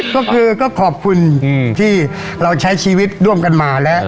ก็คือก็ขอบคุณที่เราใช้ชีวิตร่วมกันมาแล้ว